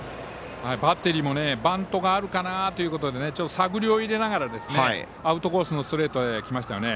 バッテリーもバントがあるかな？ということでちょっと、探りを入れながらアウトコースのストレートへきましたよね。